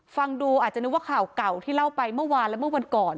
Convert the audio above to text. ฟังดูอาจจะนึกว่าข่าวเก่าที่เล่าไปเมื่อวานและเมื่อวันก่อน